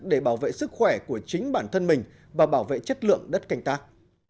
để bảo vệ sức khỏe của chính bản thân mình và bảo vệ chất lượng đất canh tác